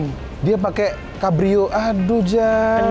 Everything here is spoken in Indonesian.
e tiga puluh enam dia pakai cabrio aduh jar